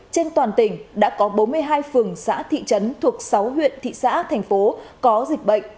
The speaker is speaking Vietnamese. trên toàn tỉnh đã có bốn mươi hai phường xã thị trấn thuộc sáu huyện thị xã thành phố có dịch bệnh